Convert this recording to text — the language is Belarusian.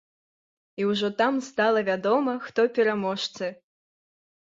І ўжо там стала вядома, хто пераможцы.